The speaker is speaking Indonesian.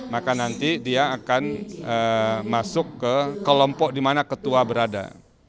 maka nanti dia akan masuk ke kelompok di mana ketua berada